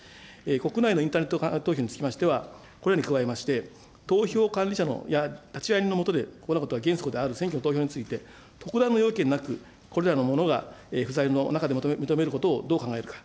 国内のインターネット投票につきましては、これに加えまして、投票管理者や立会人のもとでこのことが原則である選挙投票について、特段の要件なく、これらのものが不在の中で認めることをどう考えるか。